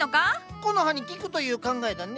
コノハに聞くという考えだね。